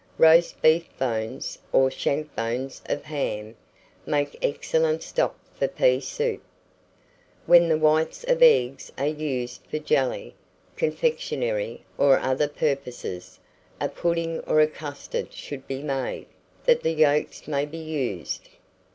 Roast beef bones, or shank bones of ham, make excellent stock for pea soup. When the whites of eggs are used for jelly, confectionary, or other purposes, a pudding or a custard should be made, that the yolks may be used.